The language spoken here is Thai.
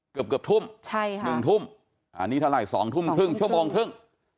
เกือบเกือบทุ่มใช่ค่ะ๑ทุ่มอันนี้เท่าไหร่๒ทุ่มครึ่งชั่วโมงครึ่ง